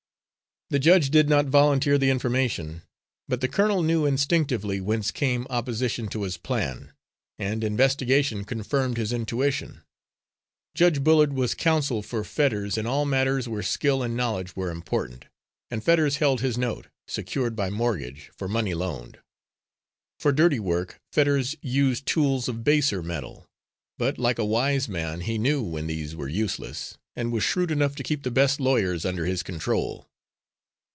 The judge did not volunteer the information, but the colonel knew instinctively whence came opposition to his plan, and investigation confirmed his intuition. Judge Bullard was counsel for Fetters in all matters where skill and knowledge were important, and Fetters held his note, secured by mortgage, for money loaned. For dirty work Fetters used tools of baser metal, but, like a wise man, he knew when these were useless, and was shrewd enough to keep the best lawyers under his control.